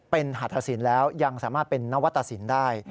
เป็นหัตถสินแล้วยังสามารถเป็นนวัตตสินได้